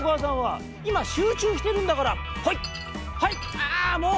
ああもう！